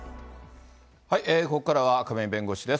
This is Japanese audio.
ここからは亀井弁護士です。